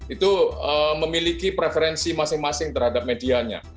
itu memiliki preferensi masing masing terhadap medianya